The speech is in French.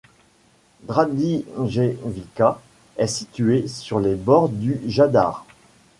Dragijevica est situé sur les bords du Jadar.